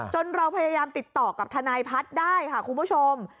เราพยายามติดต่อกับทนายพัฒน์ได้ค่ะคุณผู้ชม